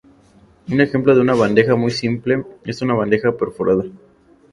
Un ejemplo de una bandeja muy simple es una bandeja perforada.